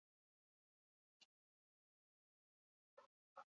Baina Gerra Hotzaren amaiera ez zen nahikoa izan gatazka konpontzeko.